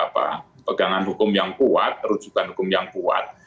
pegangan hukum yang kuat rujukan hukum yang kuat